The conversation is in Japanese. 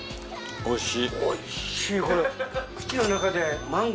おいしい。